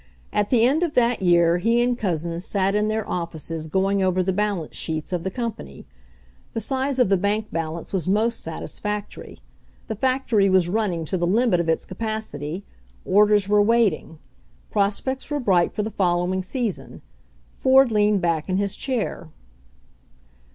At the end of that year he and Couzens sat in their offices going over the balance sheets of the company. The size of the bank balance was most satisfactory. The factory was running to the limit of its capacity, orders were waiting. Prospects were bright for the following season. Ford leaned back in his chair.